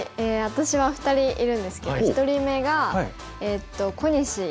私は２人いるんですけど１人目が小西理章初段。